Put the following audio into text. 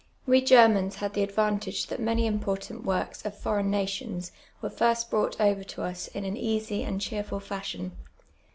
We Germans had the advantage that many important works of foreign nations were iii'st brought over to us in an easy and cheerful fashion.